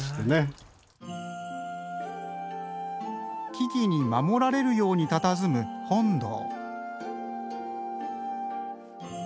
木々に守られるようにたたずむ本堂。